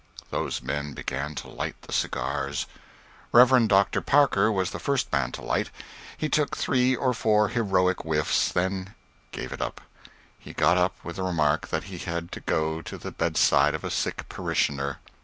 Those men began to light the cigars. Rev. Dr. Parker was the first man to light. He took three or four heroic whiffs then gave it up. He got up with the remark that he had to go to the bedside of a sick parishioner.